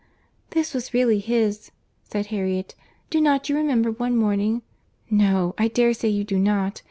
"This was really his," said Harriet.—"Do not you remember one morning?—no, I dare say you do not.